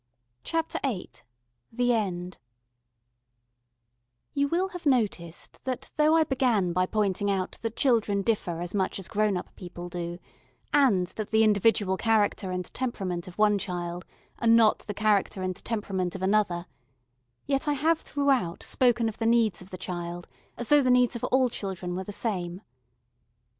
CHAPTER VIII The End YOU will have noticed that though I began by pointing out that children differ as much as grown up people do, and that the individual character and temperament of one child are not the character and temperament of another, yet I have throughout spoken of the needs of the child as though the needs of all children were the same.